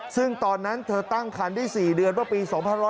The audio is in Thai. ซึ่งตอนนั้นเธอตั้งคันที่๔เดือนว่าปี๒๕๑